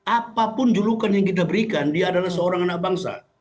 apapun julukan yang kita berikan dia adalah seorang anak bangsa